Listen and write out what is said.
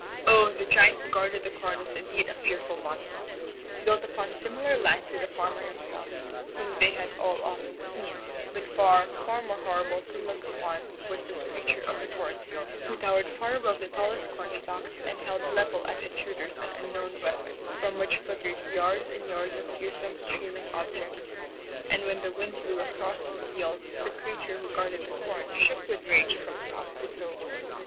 Oh, the giant who guarded the corn was indeed a fearful monster. Built upon similar lines to the farmer himself, whom they had all often seen, but far, far more horrible to look upon was this creature of the corn field, who towered far above the tallest corn stalks and held leveled at intruders an unknown weapon, from which fluttered yards and yards of fearsome streaming objects, and when the wind blew across the field the creature who guarded the corn shook with rage from top to toe.